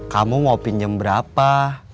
kamu mau pinjem berapa